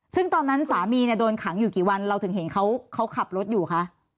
ซึ่งตอนนั้นสามีเนี่ยโดนขังอยู่กี่วันเราถึงเห็นเขาขับรถอยู่คะ